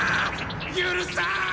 許さん！